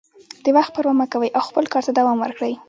د وخت پروا مه کوئ او خپل کار ته دوام ورکړئ.